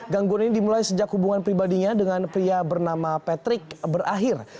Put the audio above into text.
gangguan ini dimulai sejak hubungan pribadinya dengan pria bernama patrick berakhir